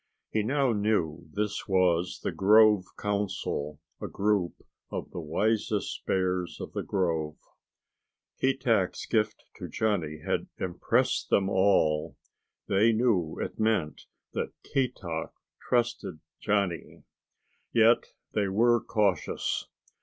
He now knew this was the grove council, a group of the wisest bears of the grove. Keetack's gift to Johnny had impressed them all. They knew it meant that Keetack trusted Johnny. Yet they were cautious.